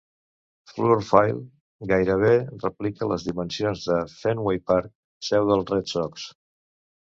Fluor Field gairebé replica les dimensions del Fenway Park, seu dels Red Sox.